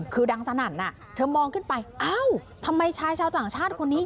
คือดังสนั่นเธอมองขึ้นไปเอ้าทำไมชายชาวต่างชาติคนนี้